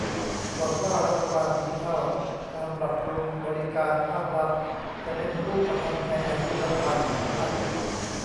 หวังว่ารัฐบาลดิจิทัล การปรับปรุงบริการภาครัฐ จะเป็นรูปธรรมในอายุรัฐบาลของท่าน